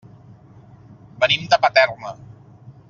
Venim de Paterna.